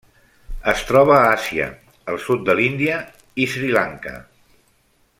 Es troba a Àsia: el sud de l'Índia i Sri Lanka.